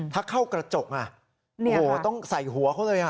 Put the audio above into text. ถ้าเข้ากระจกต้องใส่หัวเขาเลย